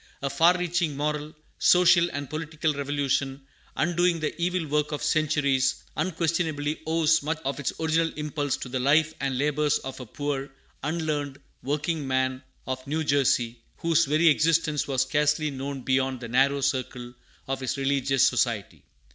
A far reaching moral, social, and political revolution, undoing the evil work of centuries, unquestionably owes much of its original impulse to the life and labors of a poor, unlearned workingman of New Jersey, whose very existence was scarcely known beyond the narrow circle of his religious society.